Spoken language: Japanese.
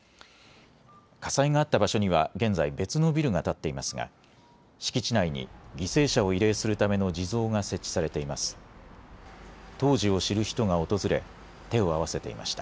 火災があった場所には、現在、別のビルが建っていますが、敷地内に犠牲者を慰霊するための地蔵が設置されています。